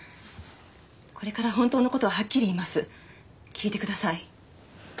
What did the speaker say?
これから本当のことをはっきり言います聞いてください